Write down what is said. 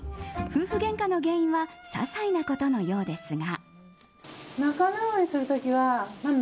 夫婦げんかの原因は些細なことのようですが。